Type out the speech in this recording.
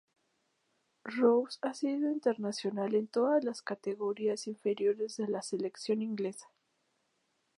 Rose ha sido internacional en todas las categorías inferiores de la selección inglesa.